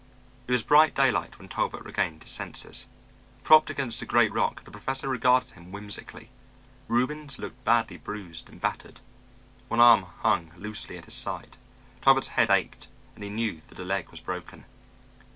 It was bright daylight when Talbot regained his senses. Propped against a great rock the Professor regarded him whimsically. Reubens looked badly bruised and battered; one arm hung loosely at his side. Talbot's head ached and he knew that a leg was broken.